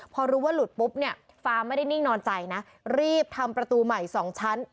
พอรู้ว่าหลุดปุ๊บเนี่ยฟ้าไม่ได้นิ่งนอนใจนะรีบทำประตูใหม่สองชั้น